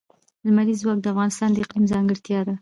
لمریز ځواک د افغانستان د اقلیم ځانګړتیا ده.